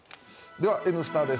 では「Ｎスタ」です。